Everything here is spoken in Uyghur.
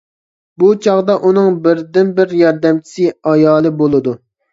بۇ چاغدا ئۇنىڭ بىردىنبىر ياردەمچىسى ئايالى بولىدۇ.